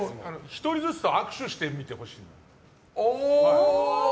１人ずつと握手してみてほしい。